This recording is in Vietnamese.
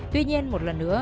tuy nhiên một lần nữa